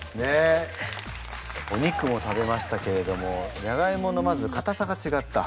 お肉も食べましたけれどもじゃがいものまずかたさが違った？